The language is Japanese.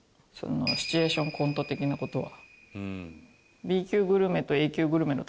シチュエーションコント的な事は。